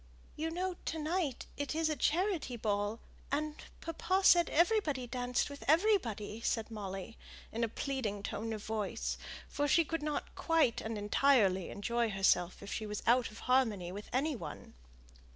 You know to night it is a charity ball, and papa said everybody danced with everybody," said Molly, in a pleading tone of voice; for she could not quite thoroughly enjoy herself if she was out of harmony with any one.